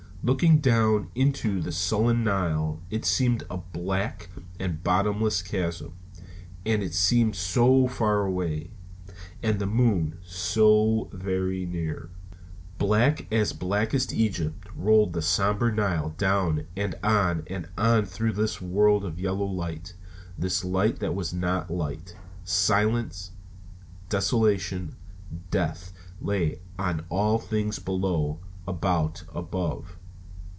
Looking down into the sullen Nile, it seemed a black and bottomless chasm. And it seemed so far away! And the moon so very near. Black as blackest Egypt rolled the somber Nile down and on and on through this world of yellow light; this light that was not light. Silence, desolation, death lay on all things below, about, above.